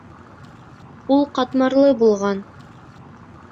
Ул ҡатмарлы булған.